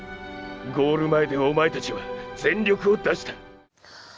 ゴール前でお前たちは全力を出した。